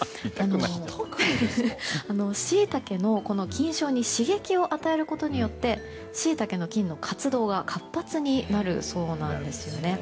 シイタケの菌床に刺激を与えることによってシイタケの菌の活動が活発になるそうなんですよね。